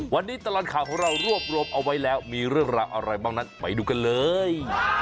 วันนี้ตลอดข่าวของเรารวบรวมเอาไว้แล้วมีเรื่องราวอะไรบ้างนั้นไปดูกันเลย